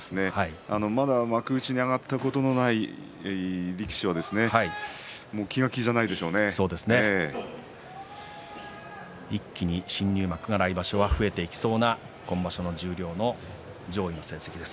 まだ幕内に上がったことのない力士は気が気じゃ一気に新入幕が増えていきそうな今場所の十両の上位の成績です。